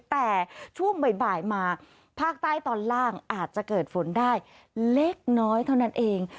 แต่ช่วงบ่ายมาภาคใต้ตอนล่างอาจจะเกิดฝนได้เล็กน้อยเท่านั้นเอง